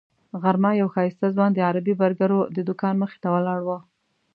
غرمه یو ښایسته ځوان د عربي برګرو د دوکان مخې ته ولاړ و.